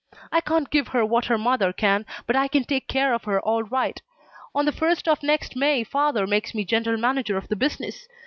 "I can't give her what her mother can, but I can take care of her all right. On the first of next May father makes me general manager of the business.